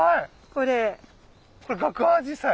これガクアジサイ？